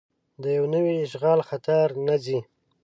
د یو نوي اشغال خطر نه ځي.